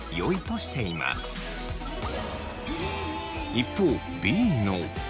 一方Ｂの。